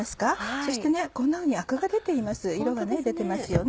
そしてこんなふうにアクが出ています色が出てますよね。